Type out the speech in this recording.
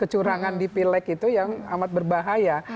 yang dipilek itu yang amat berbahaya